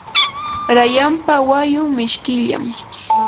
rayanpa wayun mishkillam.